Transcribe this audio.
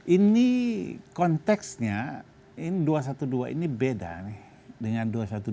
ini konteksnya ini dua ratus dua belas ini beda nih dengan dua ratus dua belas dua ribu enam belas